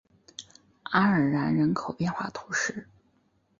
阿尔然人口变化图示